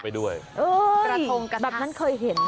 แบบฉันเคยเห็น